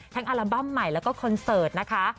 อัลบั้มใหม่แล้วก็คอนเสิร์ตนะคะ